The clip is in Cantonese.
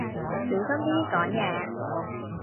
小心啲講嘢